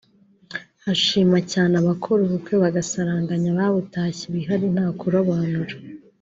Ashima cyane abakora ubukwe bagasaranganya ababutashye ibihari nta kurobanura